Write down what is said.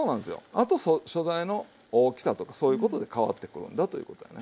あと素材の大きさとかそういうことで変わってくるんだということやね。